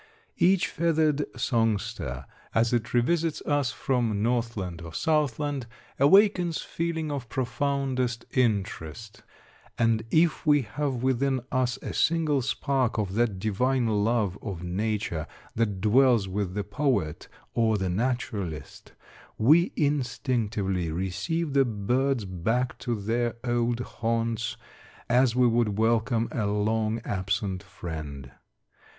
Each feathered songster, as it revisits us from northland or southland, awakens feeling of profoundest interest, and if we have within us a single spark of that divine love of nature that dwells with the poet or the naturalist, we instinctively receive the birds back to their old haunts as we would welcome a long absent friend.